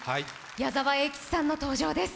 矢沢永吉さんの登場です。